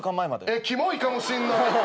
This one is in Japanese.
えっキモいかもしんない。